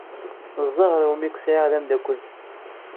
D ẓẓher-iw mi k-sɛiɣ d amdakel.